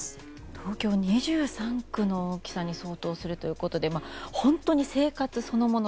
東京２３区の大きさに相当するということで本当に生活そのもの